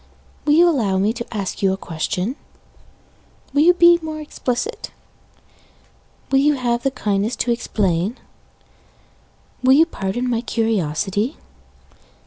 Will you allow me to ask you a question? Will you be more explicit? Will you have the kindness to explain? Will you pardon my curiosity?